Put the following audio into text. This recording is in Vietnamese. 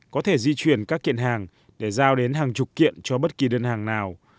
có thể di chuyển các kiện hàng để giao đến hàng chục kiện cho bất kỳ đơn hàng nào